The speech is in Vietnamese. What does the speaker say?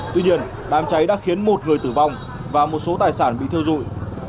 tuy nhiên đám cháy đã khiến một người tử vong và một số tài sản bị thiêu dụi